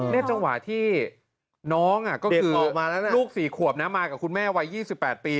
ในจังหวะที่น้องก็คือลูกสี่ขวบมากับคุณแม่วัน๒๘ปี